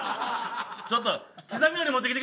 ちょっと。